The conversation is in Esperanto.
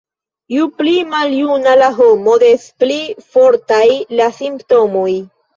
Ju pli maljuna la homo, des pli fortaj la simptomoj.